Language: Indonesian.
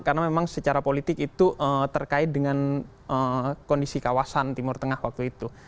karena memang secara politik itu terkait dengan kondisi kawasan timur tengah waktu itu